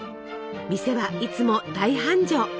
店はいつも大繁盛！